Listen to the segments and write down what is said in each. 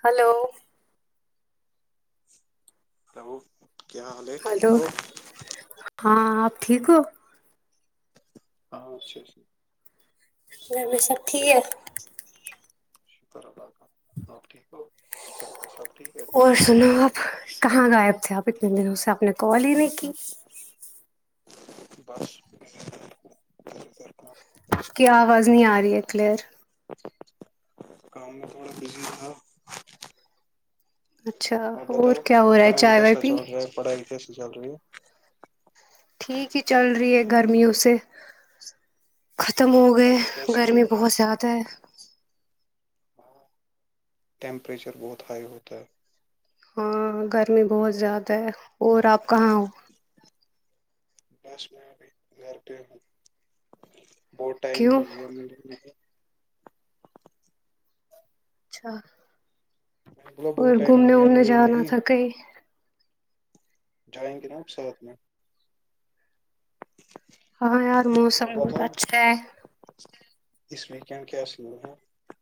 hello hello کیا حال ہے ہیلو ٹھیک ہو ہاں آپ ٹھیک ہو ہاں اچھ ا ھا ٹھیک شکر اللہ کا آپ ٹھیک ہو چل پ سب ٹھیک ہے اور سنو آپ کہاں غائب تھے آپ اتنے دنوں سے آپ نے کال ہی نہیں کی بس کی آواز نہیں آ رہی ہے کلیئر کام میں تھوڑا بزی تھا اچھا ہاں اور بتاؤ کیا ہو رہا ہے کام چائے وائے کیسا پی چل رہا ہے پڑھائی کیسی چل رہی ہے ٹھیک ہی چل رہی ہے گرمیوں سے ختم ہو گئے گرمی کیسی ہے گرمی بہت زیادہ ہے ٹیمپریچر بہت ہائی ہوتا ہے ہاں گرمی بہت زیادہ ہے اور آپ کہاں ہو بس میں ابھی گھر پ ہوں بہت ٹائم کیوں ہو گیا میرے اچھا میں نے بولا اور بہت ٹائم گھومنے ہو گیا وومنے ملے جانا نہیں تھا کہیں جائیں گے نپ سورت میں ہاں یار موسم بہت اچھا ہے اچ اس ویکینڈ کیاصل ہے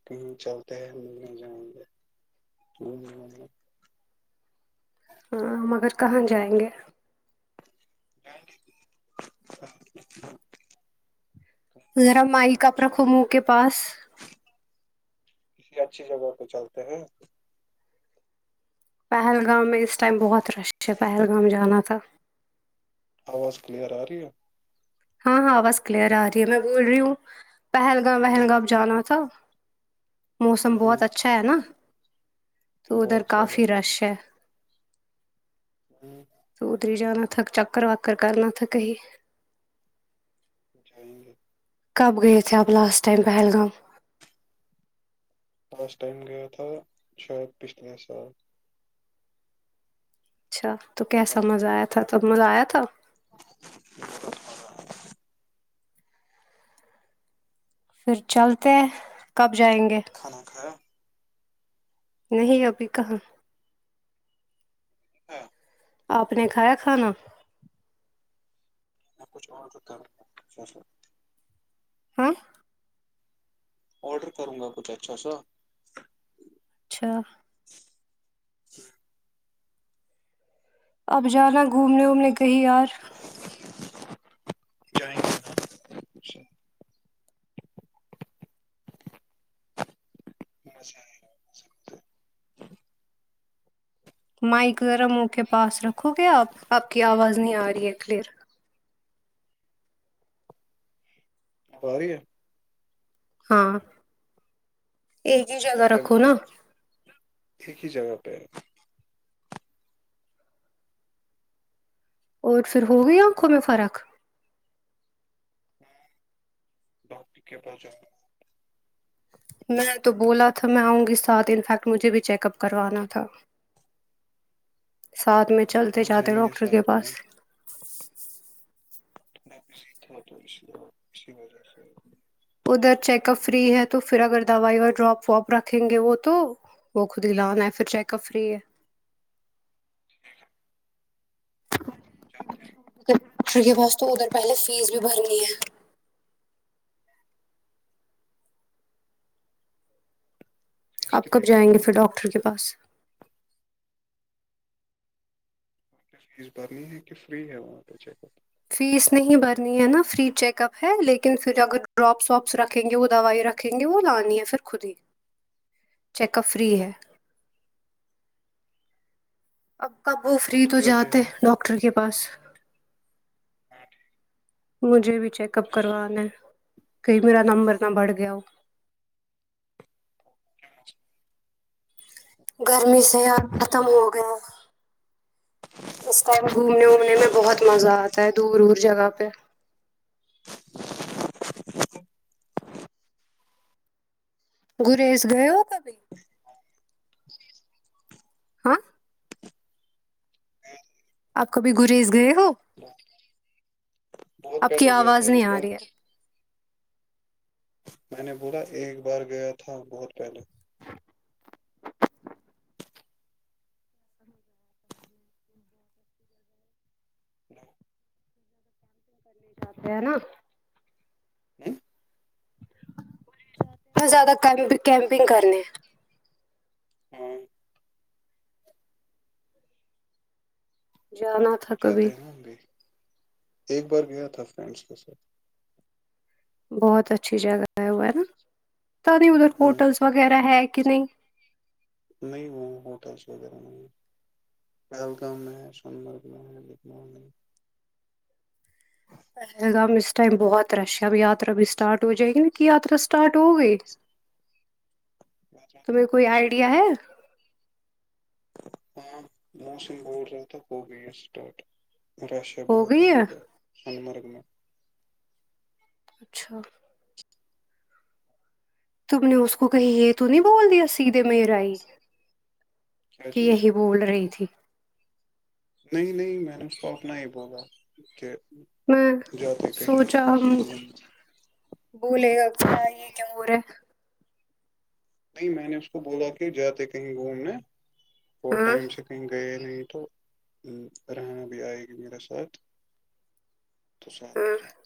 کہیں چلتے ہیں گھونے جائیں گے گھومنے وومنے ہاں مگر کہاں جائیں گے ڈیک ذرا مائ کپ رکھو جگہ موہ پہ کے پاس کسی اچھی جگہ پر چلتے ہیں پہلگام میں اس ٹائم بہت رش ہے پہلگام جانا تھا آواز کلیئر آ رہی ہے ہاں ہاںواز کلیئر آ رہی ہے میں بول رہی ہوں پہلگام ولگام جانا تھا موسم ہ بہت اچھا ہے نا تو ادھر بہت زیادہ کافی رش ہے ہوں س اتری ہی جانا تھک چکر وکر کرنا تھاک ہی جائے گے کب گئے تھے آب last time Pahalgam last time گیا تھا شاید پچھلے سال اچھا تو پچھلے کیسا سال مزہ گیا آیا تھا تب مزہ آیا تھا پھر چلتے ہیں کب جائیں گے کھانا کھایا نہیں ابھی کہاں ہاں آپ نے کھایا کھانا آپ کچھ اوڈر کرو کچھ اچھا سا ہاں اوڈر کروں گا کچھ اچھا سا اچھا اب جانا گھومنے وومنے کہی یار جائیں گے اچھا مزا آیگا مائک ذرا منہ کے پاس رکھو گے آپ آپ کی آواز نہیں آ رہی ہے کلیئر اب آرہی ہے ہاں ایک ہی جگہ رکھو نا ایک ہی جگہ پہ اور پھر ہو گئی آنکھوں میں فرق میں ڈاکٹر کے پاس جانا میں تو بولا تھا میں آؤں گی ساتھ انفیکٹ مجھے بھی چکپ کروانا تھا ساتھ میں چلتے وہاں جاتے جائیں گے ڈاکٹر کے ساتھ میں پاس [unintelligible] وجہ سے ادھر چیک اپ فری ہے تو پھر اگر دوائی اور ڈراپ واپ رکھیں گے وہ تو وہ خود ہی لانا ہے پھر چیک اپ فری ہے ٹھیک ہے ٹھیک ٹھیک کمپوٹر کے پاس تو ادھر پہلے فیس بھی بھرنی ہے فیس آپ کتنی کب جائیں بھرنی گے ہے پھر ڈاکٹر کے پاس فیس بھرنی ہے کہ فری ہے وہاں پہ چیک اپ فیس نہیں بھرنی ہے نا فری چیک اپ ہے لیکن پھر اگر ڈراپس واپس رکھیں گے وہ دوائی رکھ رکھیں گے وہ لانی ہے پھر خود ہی چیک اپ فری ہے اب کب وہ فری تو جاتے ڈاکٹر کے پاس ہاں ٹھیک مجھے بھی چیک اپ کروانا ہے کہئی میرا نمبر نہ بڑھ گیا ہو اوکے گرمی سے ختم ہو گیا اس ٹائم گھومنے وومنے میں بہت ہاں مزہ آتا ہے دور دور جگہ پہ گوریز گئے ہو کبھی ہاں آپ کبھی گوریز گئے ہو بہت آپ کی پہلے گیا تھا آواز ایک نہیں آ بار رہی ہے میں نے بولا ایک بار گیا تھا بہت پہلے کرتے ہے نا بہت زیادہ کیمپنگ کرنے ہیں ہمم جانا تو تھا کبھی جاتے ہیں نا ابھی ایک بار گیا تھا فرینڈس کے ساتھ بہت اچھی جگہ ہے وہ ہے نا تو ابھی ادھر ہ ہوٹلس وغیرہ ہے کہ نہیں نہیں وہ ہوٹلس وغیرہ نہیں پہلگم میں ہیں سونمرگ میں ہیں پہلگم اس ٹائم بہت رش ہے اب یاترا بھی اسٹارٹ ہو جائے گی نا کہ یاترا اسٹارٹ ہو گئی اچھا تمہیں کوئی آئیڈیا ہے ہاں [unintelligible] بول رہا تھا ہوگی اسٹارٹ رش ہے ہو بہت گئی یہاں ہے پر سونمرگ میں اچھا تم نے اس کو کہیں یہ تو نہیں بول دیا سیدھے میرا ہی کیا کہ چیز یہی بول رہی تھی نہیں نہیں میں نے اس کو اپنا ہی بولا کہ میں [unintelligible] بولےگا [inaudible] یہ کیوں ہورہا ہے نہیں میں نے اس کو بولا کہ جاتے کہیں گھومنے تھوڑے ہاں ٹائم سے کہیں گئے نہیں تو رہنا بھی آئے گی میرے ساتھ تو ساتھ میں ہاں جاینگے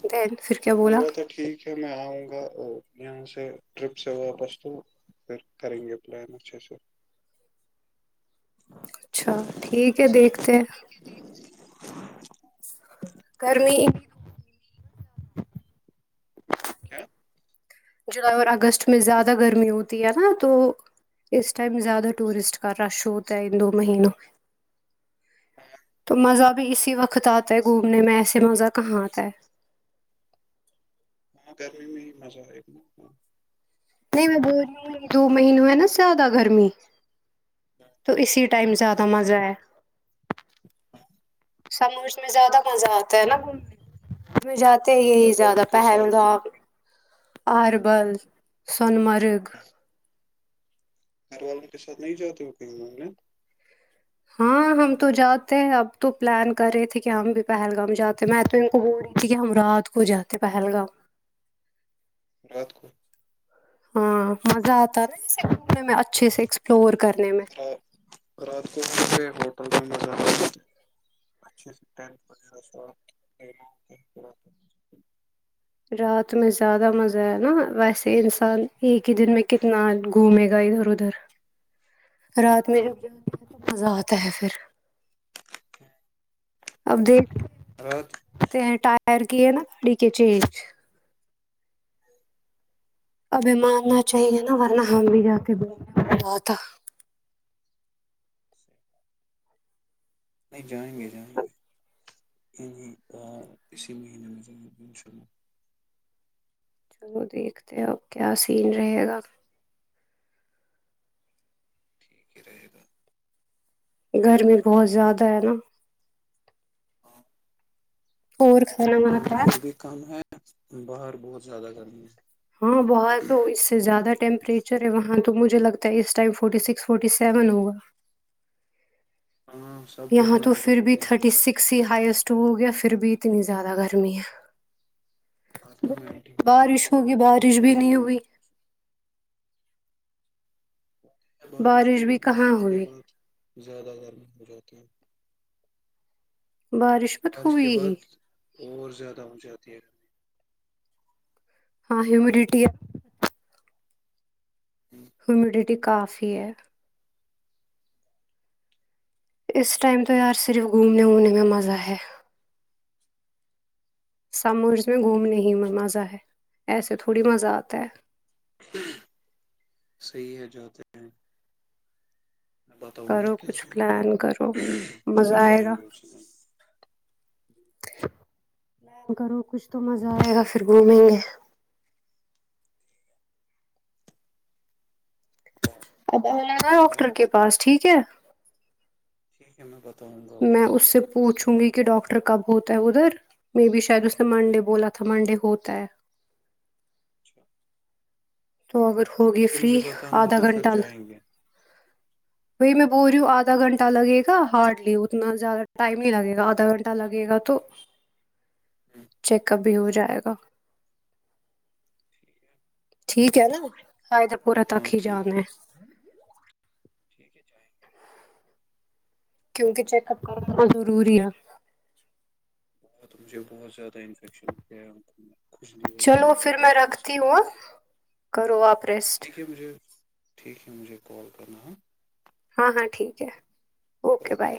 ہاں دین پھر تو کیا کوئی بولا بات نہیں ٹھیک پھر میں آؤں گا اور یہاں سے ٹرپ سے واپس تو پھر کریں گے پلان اچھے سے اچھا ٹھیک ہے دیکھتے ہیں [inaudible] گرمی کیا جولائی اور اگست میں زیادہ گرمی ہوتی ہے نا تو اس ٹائم زیادہ ٹورسٹ کا رش ہوتا ہے ان دو مہینوں میں تو مزہ بھی اسی وقت آتا ہے گھومنے میں ایسے مزہ کہاں آتا ہے ہاں گرمی میں ہی مزہ ہے [unintelligible] نہیں میں بول رہی ہوں ان دو مہینوں ہے نا زیادہ گرمی تو اسی ٹائم زیادہ مزہ ہے سمرز میں زیادہ مزہ آتا ہے نا گھومنے [unintelligible] جاتے ہیں یہی گھر والوں زیادہ کے ساتھ پہلگام آربل سونمرگ گھر والوں کے ساتھ نہیں جاتے ہو کہیں گھومنے ہاں ہم تو جاتے ہیں اب تو پلان کر رہے تھے کہ ہم بھی پہلگام جاتے میں ہسبنڈ کو بول رہی ٹھیک ہے ہم رات کو جاتے ہیں پہلگام رات کو ہاں مزہ آتا نا ایسے گھومنے میں اچھے سے ایکسپلور کرنے میں رات کو [inaudible] ہوٹل میں مزہ [inaudible] اچھے سے ٹینٹ وغیرہ سب [unintelligible] رات میں زیادہ مزہ آیا نا ویسے انسان ایک ہی دن میں کتنا گھومے گا ادھر ادھر رات میں ہیں جب جانا ہے تو مزہ آتا ہے پھر [unintelligible] اب دیکھیں رکھ تے ہیں ٹائر کیے ہے نا ڈی کے چینج ابھی ماننا چاہیے نا ورنہ ہم بھی جاتے بولنے میں مزہ آتا نہیں جائیں گے جائیں اب گے یعنی اسی مہینے میں جائیں گ انشاءاللہ چلو دیکھتے ہو اب کیا سین رہے گا ٹھیک ہی رہے گا گرمی بہت زیادہ ہے نا ہاں اور کھانا وانا یہاں تو کھایا پھر بھی کم ہے باہر بہت زیادہ گرمی ہے ہاں باہر تو اس سے زیادہ ٹیمپریچر ہے وہاں تو مجھے لگتا ہے اس time forty six forty seven ہوگا ہاں سب کچھ یہاں تو میلٹ پھر ہو بھی گیا ہے تھرٹی باہر سکس ہی ہائسٹ ہو گیا پھر بھی اتنی زیادہ گرمی باہر تو ہے میلٹ ہی ہو گیا ہے بارش ہوگی بارش سارا بھی نہیں روڈ ہوئی بارش تو بھی ہوگی پھر کہاں اس کے ہوئی بعد زیادہ گرمی ہو جاتی ہے مت بارش کے ہوئی ہی بعد اور زیادہ ہو جاتی ہے گرمی ہاں ہومیڈٹی جی ہیمیڈیٹی کافی ہے اس ٹائم تو یار صرف گھومنے وومنے میں مزہ ہے سممیرس میں گھومنے ہی مزہ ہے ایسے تھوڑی مزہ آتا ہے صحیح ہے جاتے ہیں میں بتاؤں گا کرو کس کچھ دن تو پلان کرو مزہ پھر آئے جائیں گا گے اسی دن پلان کرو کچھ تو مزہ آئے گا پھر گھومیں گے ہاں ابگا ڈاکٹر کے پاس ٹھیک ہے ٹھیک ہے میں بتاؤں گا اس میں دن سے پوچھوں گی کہ ڈاکٹر کب ہوتا ہے ادھر مے بی شاید اس نے منڈے بولا تھا منڈے ہوتا ہے اچھا تو اگر ہوگیا یہ مجھے بتانا تو پھر جائیں گے وہھی میں بول رہی ہوں آدھا گھنٹہ لگے گا ہارڈلی اتنا زیادہ ٹائم نہیں لگے گا آدھا گھنٹہ لگے گا تو چیک اپ بھی ہو جائے گا ٹھیک ہے ٹھیک ہے نا آد پور تک ہاں ہی ٹھیک جانا ہے ٹھیک ہے جینگے گے کیونکہ چیک اپ کرنا ضروری ہے وہ تو مجھے بہت زیادہ انفیکشن ہو گیا ہے کھجلی ہوتی ہے چلو ان پھر کو میں بہت رکھتی سارا ہوں کرو آپ ریسٹ ٹھیک ہے مجھے ٹھیک ہے مجھے کال کرنا ہے ہاں ہاں ٹھیک ہے اوکے بائے